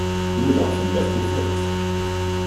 Nudaɣ fell-as, ufiɣ-itt.